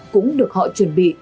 cũng được họ chuẩn bị